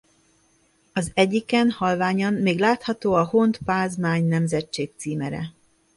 Az egyiken halványan még látható a Hont-Pázmány nemzetség címere.